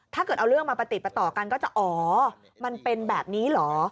ถ้าเกิดเอาเรื่องมาประติดประต่อกันก็จะอ๋อมันเป็นแบบนี้เหรอ